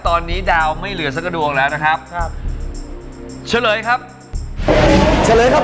ตอนนี้ดาวไม่เหลือสักดวงแล้วนะครับครับเฉลยครับเฉลยครับ